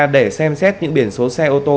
để xem xét những biển số xe ô tô